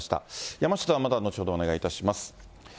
山下さんはまた後ほどお願いいたします。